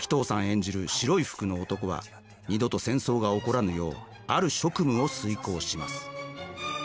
演じる白い服の男は二度と戦争が起こらぬようある職務を遂行します。